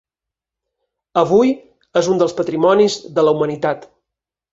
Avui és un dels patrimonis de la humanitat.